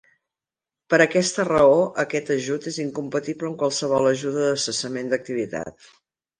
Per aquesta raó, aquest ajut és incompatible amb qualsevol ajuda per cessament d'activitat.